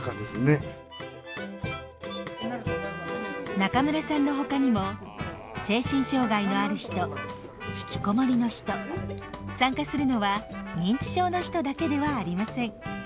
中村さんのほかにも精神障害のある人引きこもりの人参加するのは認知症の人だけではありません。